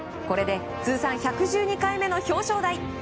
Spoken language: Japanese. これで通算１１２回目の表彰台。